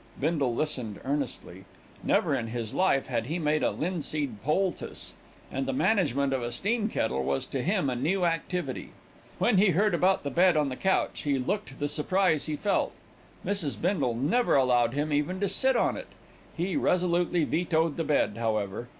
Bindle listened earnestly. Never in his life had he made a linseed poultice, and the management of a steam kettle was to him a new activity. When he heard about the bed on the couch, he looked the surprise he felt. Mrs. Bindle never allowed him even to sit on it. He resolutely vetoed the bed, however.